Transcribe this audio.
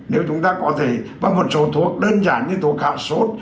nếu chúng ta có thể có một số thuốc đơn giản như thuốc hạ sốt